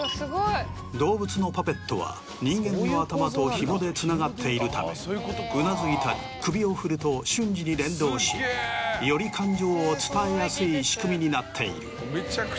動物のパペットは人間の頭とひもでつながっているためうなずいたり首を振ると瞬時に連動しより感情を伝えやすい仕組みになっている。